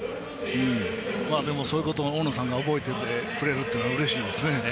でも、そういうことを大野さんが覚えていてくれるのはうれしいですね。